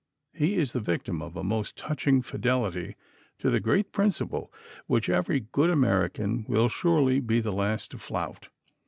He is the victim of a most touching fidelity to the great principle which every good American will surely be the last to flout.